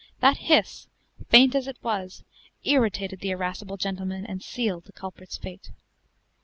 That hiss, faint as it was, irritated the irascible gentleman, and sealed the culprit's fate.